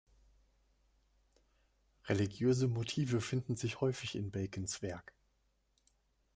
Religiöse Motive finden sich häufig in Bacons Werk.